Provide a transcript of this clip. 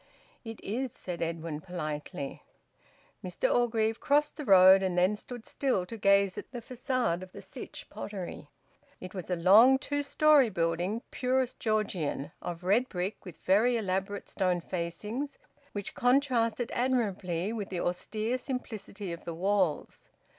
"It is," said Edwin politely. Mr Orgreave crossed the road and then stood still to gaze at the facade of the Sytch Pottery. It was a long two storey building, purest Georgian, of red brick with very elaborate stone facings which contrasted admirably with the austere simplicity of the walls.